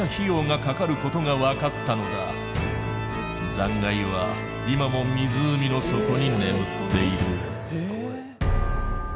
残骸は今も湖の底に眠っている。